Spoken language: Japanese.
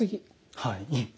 はい。